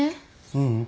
ううん。